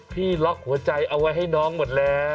พี่ล็อกหัวใจเอาไว้ให้น้องหมดแล้ว